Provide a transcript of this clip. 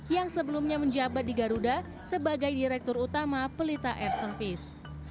yang sebelumnya menjabat di garuda sebagai direktur utama pelita air service